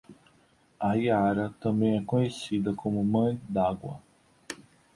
A iara também é conhecida como mãe d'água